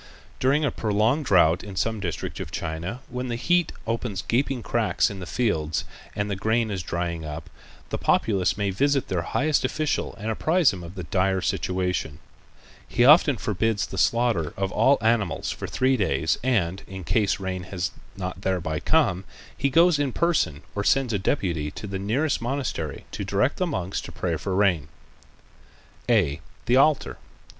During a prolonged drought in some district of China, when the heat opens gaping cracks in the fields and the grain is drying up, the populace may visit their highest official and apprise him of the dire situation. He often forbids the slaughter of all animals for three days and, in case rain has not thereby come, he goes in person or sends a deputy to the nearest monastery to direct the monks to pray for rain. _(a) The Altar.